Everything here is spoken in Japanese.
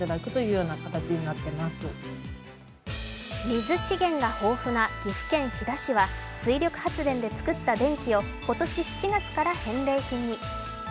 水資源が豊富な岐阜県飛騨市は水力発電で作った電気を今年７月から返礼品に。